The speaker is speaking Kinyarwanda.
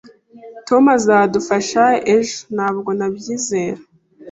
"Tom azadufasha ejo." "Ntabwo nabyizera."